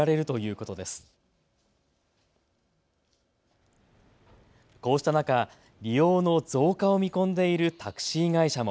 こうした中、利用の増加を見込んでいるタクシー会社も。